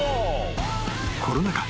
［コロナ禍